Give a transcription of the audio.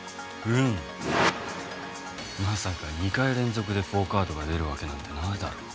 まさか２回連続で４カードが出るわけなんてないだろ。